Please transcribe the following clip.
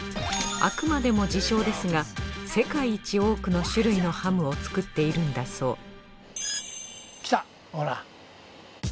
あくまでも自称ですが世界一多くの種類のハムを作っているんだそう